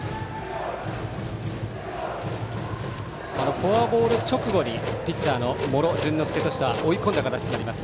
フォアボール直後にピッチャーの茂呂潤乃介としては追い込んだ形になります。